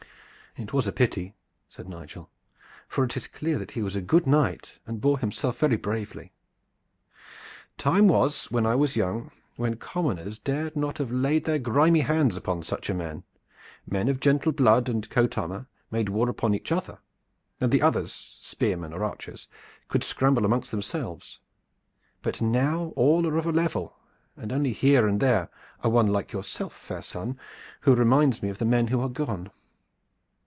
"It was a pity," said Nigel; "for it is clear that he was a good knight and bore himself very bravely." "Time was, when I was young, when commoners dared not have laid their grimy hands upon such a man. Men of gentle blood and coat armor made war upon each other, and the others, spearmen or archers, could scramble amongst themselves. But now all are of a level, and only here and there one like yourself, fair son, who reminds me of the men who are gone."